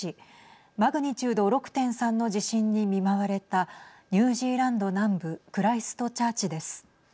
マグニチュード６．３の地震に見舞われたニュージーランド南部クライストチャーチです。